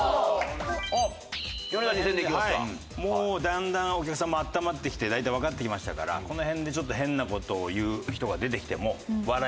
もうだんだんお客さんもあったまってきて大体わかってきましたからこの辺でちょっと変な事を言う人が出てきても笑いやすい環境になってると思う。